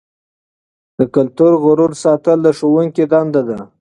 د کلتوري غرور ساتل د ښوونکي دنده ده.